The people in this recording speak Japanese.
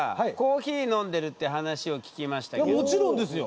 もちろんですよ。